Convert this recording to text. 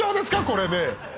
⁉これで。